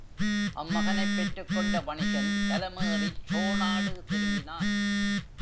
அம்மகனைப் பெற்றுக் கொண்ட வணிகன் கலமேறிச் சோணாடு திரும்பினான்.